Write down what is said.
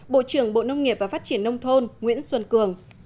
bộ trưởng bộ nông nghiệp và phát triển nông thôn nguyễn xuân cường